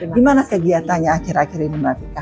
gimana kegiatannya akhir akhir ini mbak tika